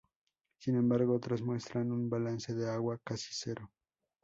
Sin embargo, otros muestran un balance de agua casi cero.